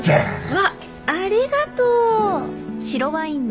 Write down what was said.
わっありがとう。